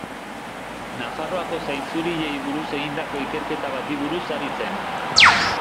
Nafarroako zainzuriei buruz egindako ikerketa bati buruz ari zen.